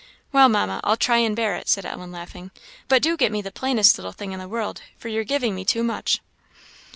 "Well, Mamma, I'll try and bear it," said Ellen, laughing. "But do get me the plainest little thing in the world, for you're giving me too much."